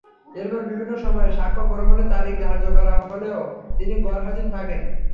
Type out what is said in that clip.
এরপর বিভিন্ন সময়ে সাক্ষ্য গ্রহণের তারিখ ধার্য করা হলেও তিনি গরহাজির থাকেন।